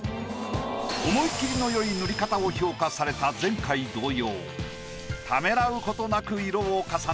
思い切りのよい塗り方を評価された前回同様。